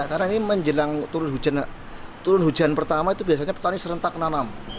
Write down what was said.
karena ini menjelang turun hujan pertama itu biasanya petani serentak nanam